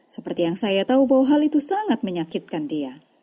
seperti yang saya tahu bahwa hal itu sangat menyakitkan dia